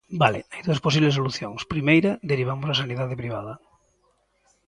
Vale, hai dúas posibles solucións: Primeira, derivamos á sanidade privada.